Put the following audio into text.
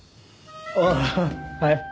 ああはい。